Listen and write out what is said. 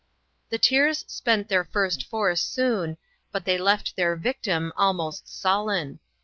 The tears spent their first force soon, but they left their victim almost sullen.